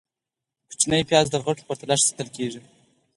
- کوچني پیاز د غټو په پرتله ښه ساتل کېږي.